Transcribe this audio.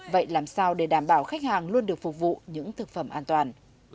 vậy làm sao để đảm bảo khách hàng luôn được phục vụ những thực phẩm an toàn